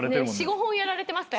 ４５本やられてました。